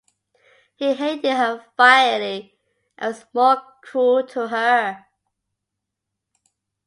He hated her violently, and was more cruel to her.